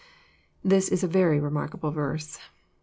This is a very remarkable verse.